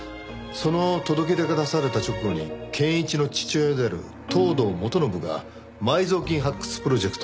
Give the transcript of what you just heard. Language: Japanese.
その届け出が出された直後に憲一の父親である東堂元信が埋蔵金発掘プロジェクトを中止。